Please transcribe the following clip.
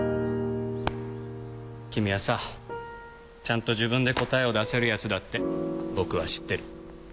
君はさ、ちゃんと自分で答えを出せるやつだって僕は知ってる。